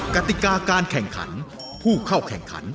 กติกาการแข่งขันผู้เข้าแข่งขัน